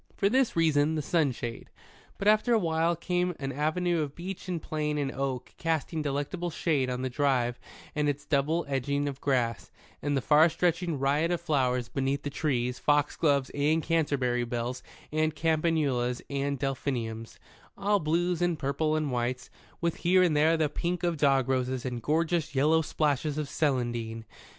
For this reason, the sunshade. But after a while came an avenue of beech and plane and oak casting delectable shade on the drive and its double edging of grass, and the far stretching riot of flowers beneath the trees, foxgloves and canterbury bells and campanulas and delphiniums, all blues and purples and whites, with here and there the pink of dog roses and gorgeous yellow splashes of celandine.